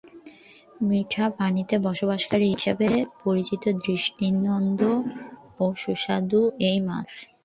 মিঠা পানিতে বসবাসকারী হিসেবে পরিচিত, দৃষ্টিনন্দন ও সুস্বাদু এই মাছ।